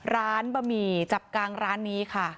บะหมี่จับกางร้านนี้ค่ะ